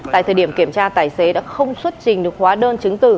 tại thời điểm kiểm tra tài xế đã không xuất trình được hóa đơn chứng từ